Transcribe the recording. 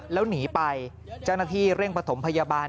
แล้วหนีไปเจ้าหน้าที่เร่งประถมพยาบาล